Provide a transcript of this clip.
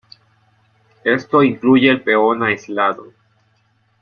Esto incluye el peón aislado.